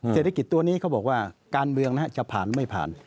เศรษฐกิจตัวนี้เขาบอกว่าการเมืองจะผ่านไม่ผ่าน